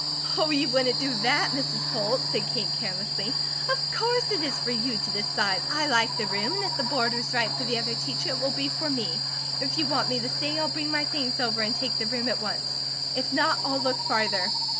"Oh, you wouldn't do that, Mrs. Holt," said Kate, carelessly. "Of course it is for you to decide. I like the room, and if the board was right for the other teacher it will be for me. If you want me to stay, I'll bring my things over and take the room at once. If not, I'll look farther."